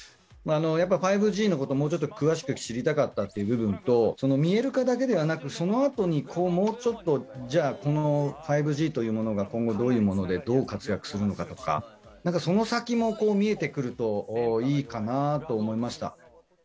やっぱり５Ｇのこともうちょっと詳しく知りたかったっていう部分と見える化だけではなくそのあとにもうちょっとじゃあこの５Ｇというものが今後どういうものでどう活躍するのかとかその先も見えてくるといいかなと思いました。